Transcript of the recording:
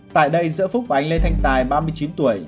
tại đây giữa phúc và anh lê thanh tài ba mươi chín tuổi